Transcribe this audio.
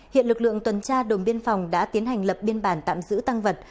hiện lực lượng tuần tra đồn biên phòng đã tiến hành lập biên bản tạm giữ tăng vật